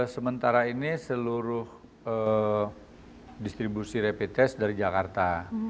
sementara ini seluruh distribusi rapid test dari jakarta